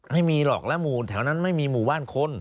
ไม่มีหรอกแล้วหมู่แถวนั้นไม่มีหมู่บ้านคน